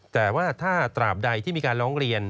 แต่ว่าถ้าตราบใดที่มีการร้องเรียน